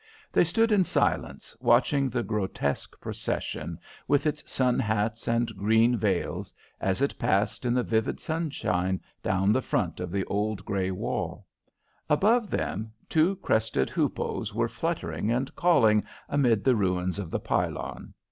They stood in silence watching the grotesque procession, with its sun hats and green veils, as it passed in the vivid sunshine down the front of the old grey wall. Above them two crested hoopoes were fluttering and calling amid the ruins of the pylon.